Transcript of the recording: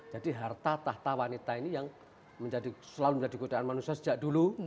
jadi harta tahta wanita ini yang selalu menjadi kegodaan manusia sejak dulu